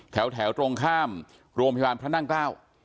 แถวตรงข้ามโรงพยาบาลพระนั่งเกล้า